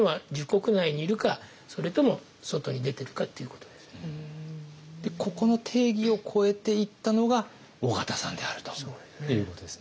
一番大きいのはここの定義を超えていったのが緒方さんであるということですね。